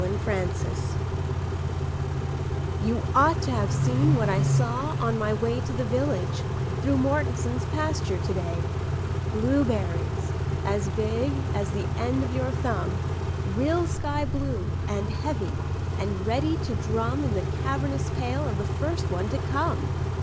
Blueberries "YOU ought to have seen what I saw on my way To the village, through Mortenson's pasture to day: Blueberries as big as the end of your thumb, Real sky blue, and heavy, and ready to drum In the cavernous pail of the first one to come!